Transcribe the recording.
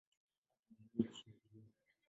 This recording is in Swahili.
Hata wanaweza kushambulia.